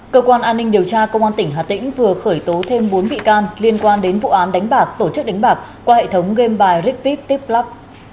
cơ quan an ninh điều tra công an tỉnh hà tĩnh vừa khởi tố thêm bốn bị can liên quan đến vụ án đánh bạc tổ chức đánh bạc qua hệ thống game bài rigvipplub